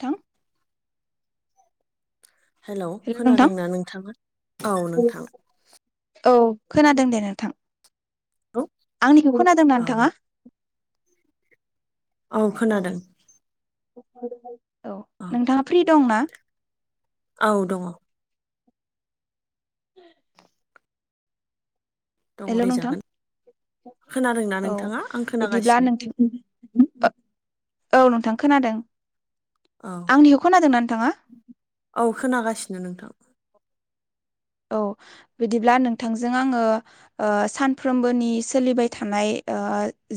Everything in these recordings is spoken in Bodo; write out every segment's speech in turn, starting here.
थां। हेलौ खोनादोंना नोंथाङा? औ नोंथां। औ खोनादों दे नोंथां। औ आंनिखौबो खोनादोंना औ नोंथाङा? औ खोनादों। औ नोंथाङा फ्रि दंना? औ दङ। [inaudible] दंङ हेल' [unintelligible] नोंथां जागोन औ बिदिब्ला खोनागासिनो नोंथां [unintelligible] औ नोंथां खोनादों। औ आंनिखौ खोनादोंना नोंथाङा? औ खोनागासिनो नोंथां। औ बिदिब्ला नोंथांजों आङो ओ सानफ्रोमबोनि सोलिबाय थानाय ओ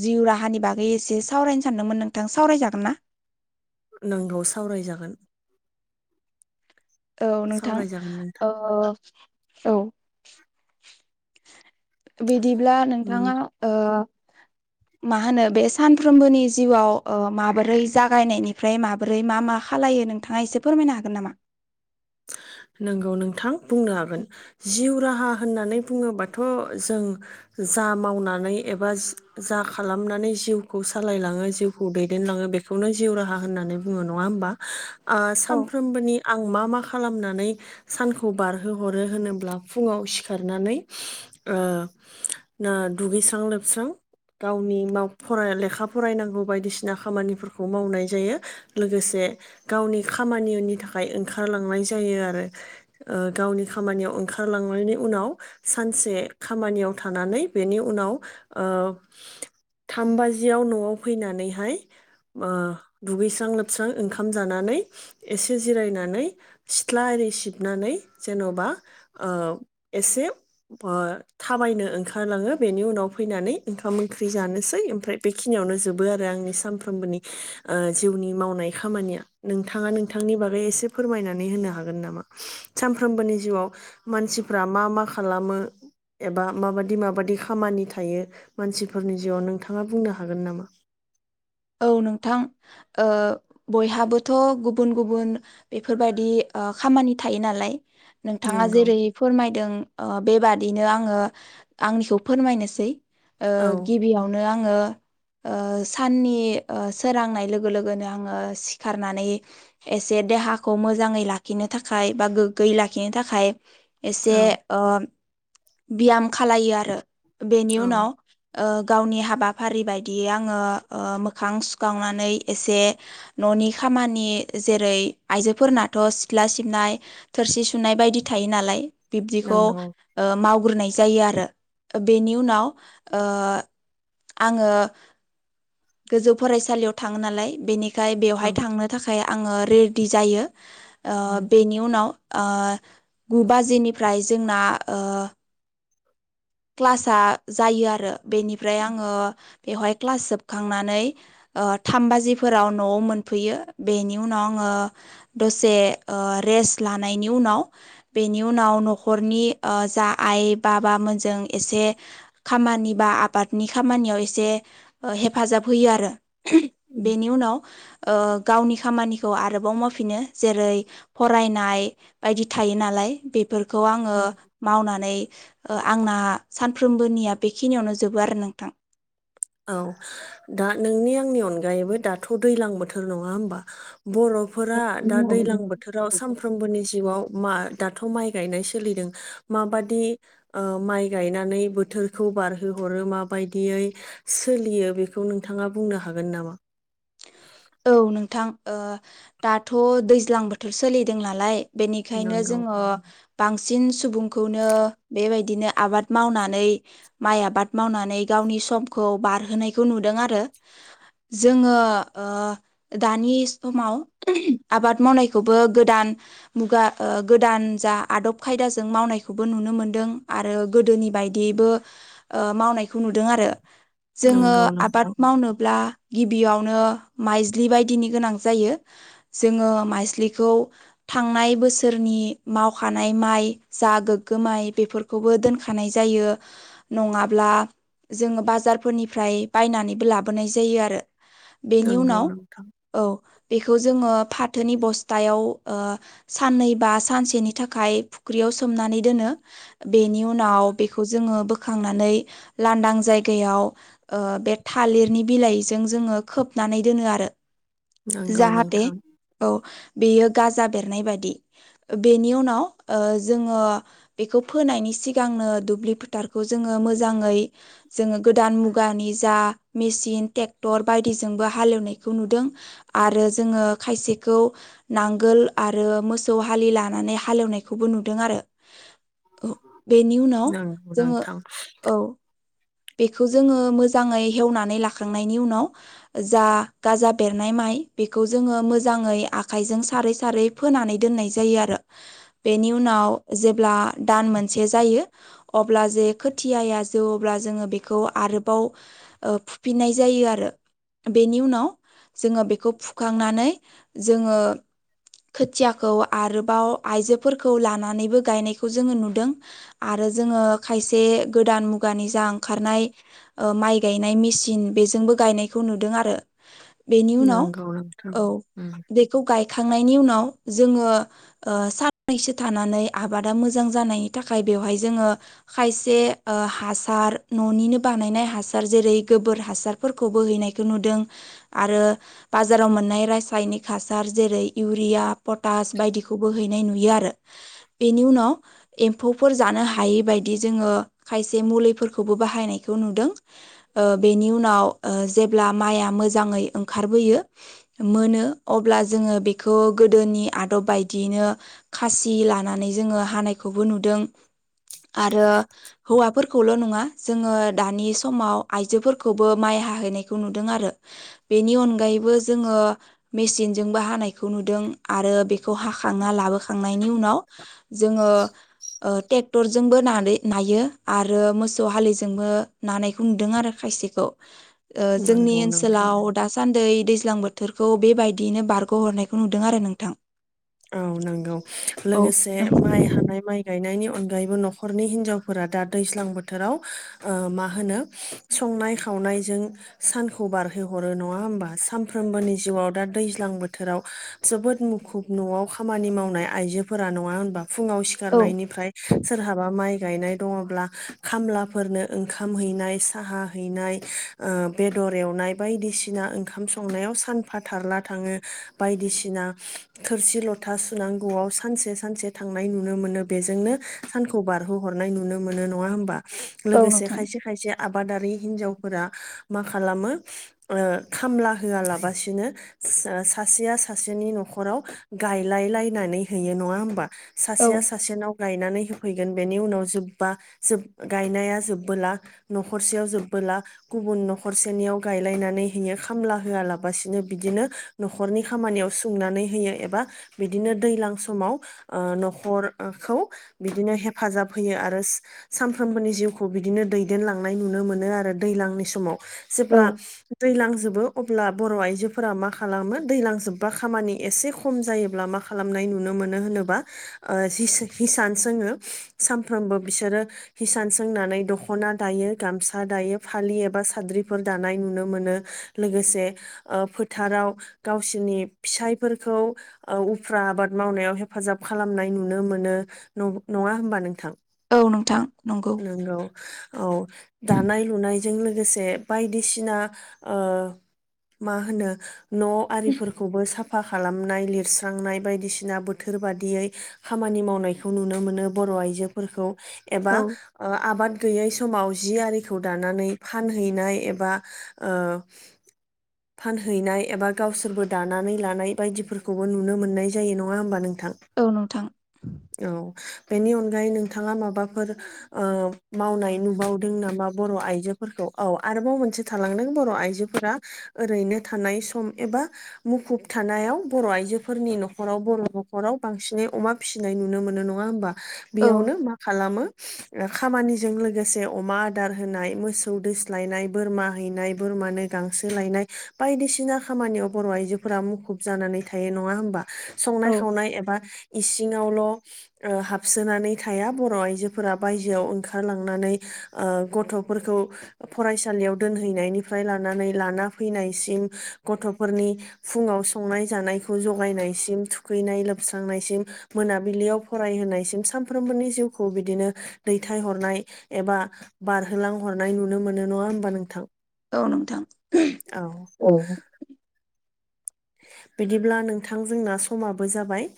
जिउ राहानि बागै एसे सावरायनो सानदोंमोन नोंथां सावरायजागोन ना? नोंगौ सावरायजागोन। औ नोंथां सावरायजागोन नोंथां ओ औ बिदिब्ला नोंथांङा ओ मा होनो बे सानफ्रोमबोनि जिउआव ओ माबोरै जागायनायनिफ्राय माबोरै मा मा खालामो [unintelligible] नोंथाङा एसे फोरमायनो हागोन नामा? नंगौ नोंथां बुंनो हागोन जिउ राहा [unintelligible] होननानै बुङोबाथ' जों जा मावनानै एबा जा खालामनानै बै जिउखौ सालायलाङो जिउखौ दैदेनलाङो बेखौनो जिउ राहा होननानै बुङो नङा होमबा ओ औ सानफ्रोमबोनि आं मा मा खालामनानै सानखौ बारहोहरो होनोब्ला फुङाव सिखारनानै ओ ना दुगैस्रां लोबस्रां गावनि [unintelligible] लेखा फरायनांगौ बायदिसिना खामानिफोरखौ मावनाय जायो लोगोसे गावनि खामानिनि थाखाय ओंखारलांनाय जा जायो आरो ओ गावनि खामानियाव ओंखारलांनायनि उनाव सानसे खामानियाव थानानै बेनि उनाव ओ थाम बाजियाव नआव फैनानैहाय ओ दुगैस्रां लोबस्रां ओंखाम जानानै एसे जिरायनानै सिथ्ला एरि सिबनानै जेनबा ओ एसे ओ थाब बायनो ओंखारलाङो बेनि उनाव फैनानै ओंखाम ओंख्रि जानोसै ओमफ्राय बेखिनियावनो जोबो आरो आंनि सानफ्रोमबोनि ओ जिउनि मावनाय खामानिया नोंथाङा नोंथांनि बागै एसे फोरमायनानै होननै हागोन नामा सानफ्रामबोनि जिउआव मानसिफ्रा मा मा खालामो एबा माबादि माबादि खामानि थायो मानसिफोरनि जिउआव नोंथाङा बुंनो हागोन नामा? [inaudible] औ नोंथां ओ बयहाबोथ गुबुन गुबुन बेफोरबायदि ओ खामानि थायो नालाय नोंथाङा नंगौ जेरै फोरमायदों ओ बेबादिनो आंङो आंनिखौ फोरमायनोसै ओ औ गिबियावनो आं ओ ओ साननि सोरांनाय लोगो लोगोनो आंङो सिखारनानै एसे देहाखौ मोजाङै लाखि लाखिनो थाखाय बा गोग्गै लाखिनो थाखाय एसे औ ओ बियाम खालायो आरो बेनि औ उनाव ओ गावनि हाबाफारि बायदियै आंङो ओ मोखां सुखांनानै एसे ननि खामानि जेरै आइजोफोरनाथ सिख सिथला सिबनाय थोरसि सुनाय बायदि थायो नालाय बिदिखौ नंगौ ओ माव गुरनाय जायो आरो ओ बेनि उनाव ओ आंङो गोजौ फरायसालियाव थांङो नालाय बेनिखाय बेवहाय औ थांनो थाखाय थाखाय आंङो रेडि जायो ओ उम बेनि उनाव ओ गु बाजिनिफ्राय जोंना ओ क्लासा जायो आरो बेनिफ्राय आंङो बेवहाय क्लास जोबखांनानै थाम बाजिफोराव नआव मोनफैयो बेनि उनाव आंङो दसे ओ रेस्ट लानायनि उनाव बेनि उनाव नखरनि ओ जा आइ बाबा मोन जों एसे खामानि बा आबादनि खामानियाव एसे ओ हेफाजाब होयो आरो। उम बेनि उनाव ओ गावनि खामानिखौ आरोबाव मावफिनो जेरै फरायनाय बायदि थायो नालाय बे बेफोरखौ आंङो मावनानै ओ आंना सानफ्रोमबोनिया बेखिनियावनो जोबो आरो नोंथां औ दा नोंनि आंनि अनगायैबो दाथ दैलां बोथोर नङा होमबा बरफोरा दा दैलां बोथोराव सानफ्रोमबोनि जिउआव मा दाथ माइ गायनाय सोलिदों माबादि ओ माइ गायनानै बोथोरखौ बारहो हरो माबायदियै सोलियो बेखौ नोंथाङा बुंनो हागोन नामा? औ नोंथां ओ दाथ दैज्लां बोथोर सोलिदों नालाय बेनिखायनो नंगौ जोंङो बांसिन सुबुंखौनो बेबायदिनो आबाद मावनानै माइ आबाद मावनानै गाव गावनि समखौ बारहोनायखौ नुदों आरो जोंङो ओ दानि समाव आबाद मावनायखौबो गोदान मुगा ओ गोदान जा आदब खायदाजों मावनायखौबो नुनो मोनदों आरो गोदोनि बायदियैबो ओ मावनायखौ नुदों आरो जोंङो नंगौ आबाद नोंथां मावनोब्ला गिबियावनो माइज्लि बायदिनि गोनां जायो जोंङो माइज्लिखौ थांनाय बोसोरनि मावखानाय माइ जा गोग्गो माइ बेफोरखौबो दोनखानाय जायो न नङाब्ला जोंङो बाजारफोरनिफ्राय बायनानैबो लाबोनाय जायो आरो बेनि नंगौ उनाव नोंथां औ बेखौ जोंङो फाथोनि बस्थायाव ओ साननै बा सानसेनि थाखाय फुख्रियाव सोमनानै दोनो बेनि उनाव बेखौ जोंङो बो बोखांनानै लांदां जायगायाव ओ बे थालिरनि बिलाइजों जोंङो खोबनानै दोनो आरो नंगौ जाहाथे नोंथां औ बेयो गाजा बेरनाय बाददि बेनि उनाव जोंङो बेखौ फोनायनि सिगांनो दुब्लि फोथारखौ जोंङो मोजाङै जोंङो गोदान मुगानि जा मेसिन ट्रेक्टर बायदिजोंबो हालेवनायखौ नुदों आरो जोंङो खायसेखौ नांगोल आरो मसौ हालि लानानै हालेवनायखौबो नुदों आरो बेनि उनाव नंगौ जोंङो नोंथां औ बेखौ जोंङो मोजांङै हेवनानै लाखांनायनि उनाव जा गाजा बेरनाय माइ बेखौ जों मोजांङै आखाइजों सारै सारै फोनानै दोननाय जायो आरो बेनि बेनि उनाव जेब्ला दान मोनसे जायो अब्ला जे खोथिया जौवो अब्ला जोंङो बेखौ आरोबाव फुफिननाय जायो आरो बेनि उनाव जोंङो बेखौ फुखांनानै जोंङो खोथियाखौ आरोबाव आयजोफोरखौ लानानैबो गायनायखौ जोंङो नुदों आरो आरो जोंङो खायसे गोदान मुगानि जांग ओंखारनाय माइ गायनाय मेसिन बेजोंबो गायनायखौ नुदों आरो बेनि उनाव नंगौ नोंथां औ उम बेखौ गाय गायखांनायनि उनाव जोंङो सानैसो थानानै आबादा मोजां जानायनि थाखाय बेवहाय जोंङो खायसे हासार न'निनो बानायनाय हासार जेरै गोबोर हासारफोरखौ बो हैनायखौ नुदों आरो बाजाराव मोननाय रासायनिक हासार जेरै इउरिया पटास बायदिखौबो हैनाय नुयो आरो बेनि उनाव एम्फौफोर जानो हायैबायदि जोंङो खायसे मुलि बाहायनायखौ नुदों बेनि उनाव जेब्ला माइआ मोजांङै ओंखारो फोयो मोनो अब्ला जोंङो गोदोनि आदब बायदियैनो खासि खासि लानानै जोंङो हानायखौबो नुदों आरो हौवाफोरखौल' नङा जोंङो दानि समाव आयजोफोरखौबो माइ हाहैनायखौ नुदों आरो बेनि अनगायै बो जोंङो मेसिनजोंबो हानायखौ नुदों आरो बेखौ हाखांना लाबोखांनायनि उनाव जोंङो ओ ट्रेक्टर जोंबो नायो आरो मोसौ हालिजोंबो नानायखौ नुदों आरो खायसेखौ ओ जोंनि नंगौ नोंथां ओनसोलाव दासान्दि दैज्लां बोथोरखौ बेबायदियैनो बारग'हरनायखौ नुदों आरो नोंथां औ नंगौ औ लोगोसे माइ हानाय माइ गायनायनि अनगायैबो न'खरनि हिनजावफोरा दा दैज्लां बोथोराव मा होनो संनाय खाव नायजों सानखौ बारहोहरो नंङा होमबा सानफ्रोमबोनि जिउआव दा दैज्लां बोथोराव जोबोद मुखुब न'आव खामानि मावनाय आइजोफोरा नंङा होनबा फुंङाव औ सिखारनायनिफ्राय सोरहाबा माइ गायनाय दंङोब्ला खामलाफोरनो ओंखाम हैनाय साहा हैनाय ओ बेदर दर एवनाय बायदिसिना ओंखाम संनायाव सानफाथारला थांङो बायदिसिना थोरसि लथा सुनांगौआव सानसे सानसे थांनाय नुनो मोनो बेजोंनो सानखौ बारहोहरो नुनाय नुनो मोनो नंङा होनबा औ लोगोसे नोंथां खायसे खायसे आबादारि हिन्जाव फोरा मा खालामो ओ खामला होआलाबसिनो सासेया सासेनि न'खराव गायलाय लायनानै होयो नङा होनबा औ सासेया सासेनाव गायनानै होफैगोन बेनि उनाव जोबबा जोब गायनाया जोबबोला न'खरसेयाव जोब ब्ला गुबुन न'सेनि गायलायनानै खामब्ला होआलासिनो बिदिनो न‌'खरनि खामानियाव सुंनानै होयो बा बिदिनो दैजां समाव न'खरखौ बिदिनो हेफाजाब होयो आरो सा सानफ्रोमबोनि जिउखौ बिदिनो दैदेनलांनाय नुनो मोनो आरो दैज्लांनि समाव औ जेब्ला दैलांजोबो अब्ला बर' आइजोफोरा मा खालामो दैलां जोबबा खामानि एसे खम जायोब्ला मा खालामनाय नुनो मोनो होनोबा ओ हिस हिसान सोंङो सामफ्रोम बो बिसोरो हिसान सोंनानै दख'ना दायो गामसा दायो फालि एबा साद्रिफोर दान नाय नुनो मोनो लोगोसे ओ फोथाराव गावसोरनि फिसायफोरखौ ओ उफ्रा आबाद मावनायाव हेफाजाब खालामनाय नुनो मोनो न नङा होमबा नोंथां? औ नोंथां नंगौ। नोंगौ औ दानाय लुनाय जों लोगोसे बायदिसिना ओ मा होनो न' आरिफोरखौबो साफा खालामनाय लिरस्रांनाय बायदिसिना बोथोर बादियै खामानि मावनायखौ नुनो मोनो बर' आइजोफोरखौ एबा औ आबाद गैयै स माव जि आरिखौ दानानै फानहैनाय एबा ओ फानहैनाय एबा गावसोरबो दानानै लानाय बायदिफोर खौबो नुनो मोननाय जायो नङा होमबा नोंथां औ नोंथां औ । बेनि अनगायै नोंथाङा माबाफोर ओ मावनाय नुबावदों नामा बर' आइजोफोरखौ? औ आरोबाव मोनसे थालांदों बर' आइजोफोरा ओरैनो थानाय सम एबा मुखुब थानायाव बर' आइजोफोरनि न'खराव बर' न'खराव बांसिनै अमा फिसिनाय नुनो मोनो नङा होमबा? औ बेयावनो मा खालामो ओ खामानिजों लोगोसे अमा आदार होनाय मोसौ दोस्लायनाय बोरमा हैनाय बोरमानो गांसो लायनाय बायदिसिना खामानियाव बर' आइजोफोरा मुखुब जानानै थायो नङा होनबा संनाय औ खावनाय एबा इस सिङावल' हाबसोनानै थाया बर' आइजोफोरा बायजोआव ओंखारलांनानै ओ गथ'फोरखौ फरायसालियाव दोनहैनायनिफ्राय लानानै लाना फैनायसिम गथ'फोरनि फुङाव संनाय जानाय खौ जगायनायसिम थुखैनाय लोबस्रांनायसिम मोनाबिलियाव फरायहोनायसिम सामफ्रोमबोनि जिउ खौ बिदिनो दैथाय हरनाय एबा बारहोलां हरनाय नुनो मोनो नङा होमबा नोंथां? औ नोंथां औ [unintelligible] औ बिदिब्ला नोंथां जोंना समाबो जाबाय ।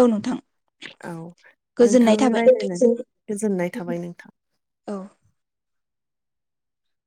औ नोंथां औ गोजोननाय नोंथांजों थाबाय नोंथांजों रायजलायनानै गोजोननाय थाबाय नोंथां । औ